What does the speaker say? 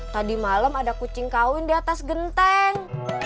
tadi malam ada kucing kawin di atas genteng